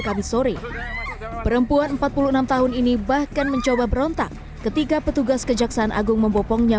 kami sore perempuan empat puluh enam tahun ini bahkan mencoba berontak ketika petugas kejaksaan agung membopongnya